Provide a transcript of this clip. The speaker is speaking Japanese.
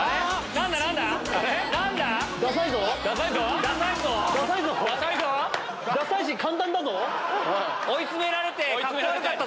何だ？追いつめられてカッコ悪かった。